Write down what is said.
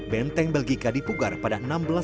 benteng belgika dipugar pada seribu enam ratus sebelas